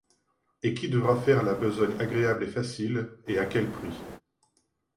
Et qui devra faire la besogne agréable et facile et à quel prix?